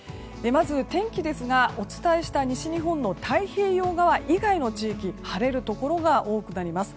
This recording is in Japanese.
まず天気ですが、お伝えした西日本の太平洋側以外の地域は晴れるところが多くなります。